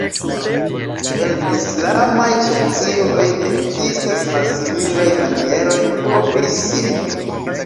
En islamaj socioj ekzistas malsimilaj manieroj kovri sin.